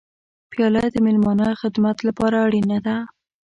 پیاله د میلمانه خدمت لپاره اړینه ده.